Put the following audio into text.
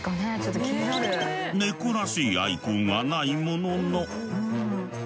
猫らしいアイコンはないものの。